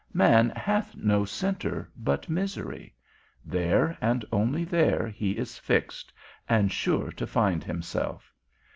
Man hath no centre but misery; there, and only there, he is fixed, and sure to find himself.